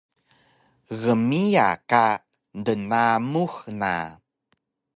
gmiya ka dnamux na